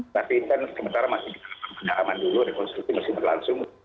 tapi ini kan sementara masih dalam penerangan dulu rekonstruksi masih berlangsung